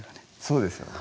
そうですよね